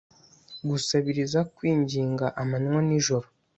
Gusabiriza kwinginga amanywa nijoro